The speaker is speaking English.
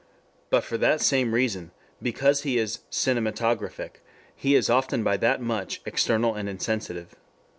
But for that same reason, because he is "cinematographic," he is often by that much external and insensitive.